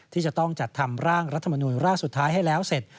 ที่จะต้องจัดทำร่างรัฐมนุนร่างสุดท้ายให้แล้วเสร็จ